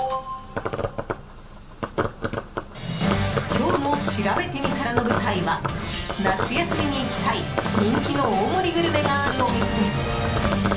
今日のしらべてみたらの舞台は夏休みに行きたい、人気の大盛りグルメがあるお店です。